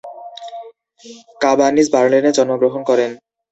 কাবানিস বার্লিনে জন্মগ্রহণ করেন।